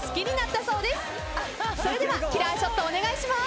それではキラーショットお願いします。